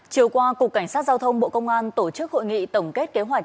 chiều qua cục cảnh sát giao thông bộ công an tổ chức hội nghị tổng kết kế hoạch